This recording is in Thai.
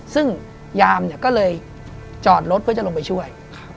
ซึ่งยามเนี่ยก็เลยจอดรถเพื่อจะลงไปช่วย